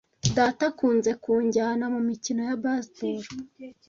Data akunze kunjyana mumikino ya baseball.